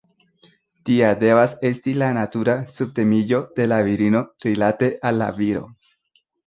Tia devas esti la natura submetiĝo de la virino rilate al la viro.